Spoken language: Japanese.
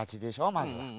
まずは。ね？